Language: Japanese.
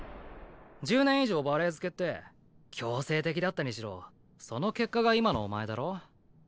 １０年以上バレエ漬けって強制的だったにしろその結果が今のお前だろ？